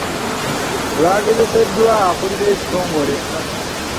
Baagezeseddwa akulira ekitongole.